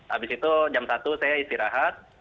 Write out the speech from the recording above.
habis itu jam satu saya istirahat